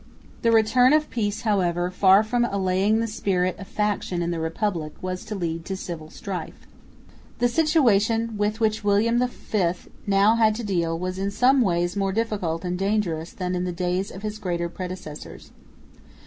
The return of peace, however, far from allaying the spirit of faction in the Republic, was to lead to civil strife. The situation with which William V now had to deal was in some ways more difficult and dangerous than in the days of his greater predecessors.